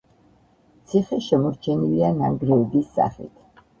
ციხე შემორჩენილია ნანგრევების სახით.